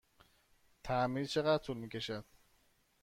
تعمیر چقدر طول می کشد؟